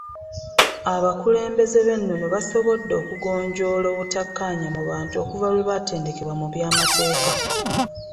Abakulembeze b’ennono basobodde okugonjoola obutakkaanya mu bantu okuva lwe baatendekebwa mu by’amateeka.